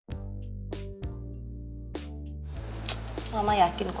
kita bisa ke tempat yang lebih baik